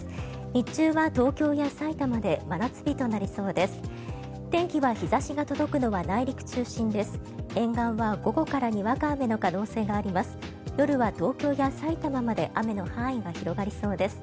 日中は東京やさいたまで真夏日となりそうです。